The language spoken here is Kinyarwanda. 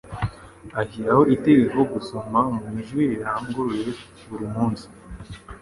Ashiraho itegeko gusoma mu ijwi riranguruye buri munsi.